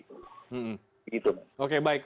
begitu oke baik